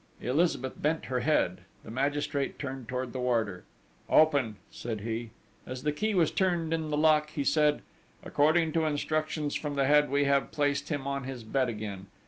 Elizabeth bent her head; the magistrate turned towards the warder: "Open," said he. As the key was turned in the lock he said: "According to instructions from the Head, we have placed him on his bed again....